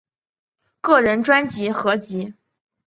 个人专辑合辑